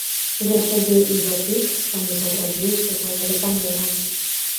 За сябе і за тых, каму патрабуецца твая дапамога.